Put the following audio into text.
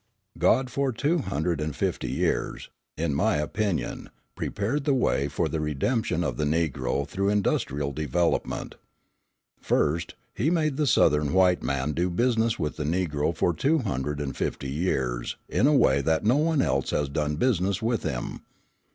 God for two hundred and fifty years, in my opinion, prepared the way for the redemption of the Negro through industrial development. First, he made the Southern white man do business with the Negro for two hundred and fifty years in a way that no one else has done business with him.